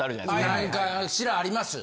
何かしらあります。